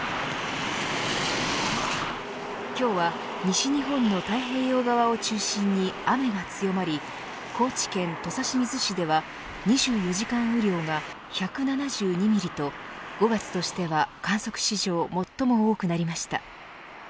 今日は西日本の太平洋側を中心に雨が強まり高知県土佐清水市では２４時間雨量が１７２ミリと５月としては観測史上最も多くなりました。